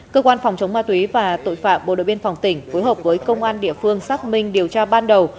cơ quan phòng chống ma túy và tội phạm bộ đội biên phòng tỉnh phối hợp với công an địa phương xác minh điều tra ban đầu